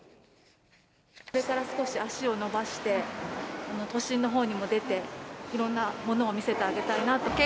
これから少し足を延ばして、都心のほうにも出て、いろんなものを見せてあげたいなって。